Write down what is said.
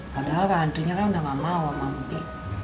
padahal kantrinya kan udah nggak mau sama ampi